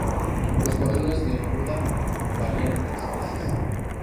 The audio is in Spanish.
Los patrones de muda varían entre especies.